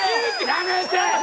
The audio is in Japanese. やめて！